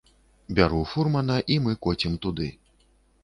Бяру фурмана, і мы коцім туды.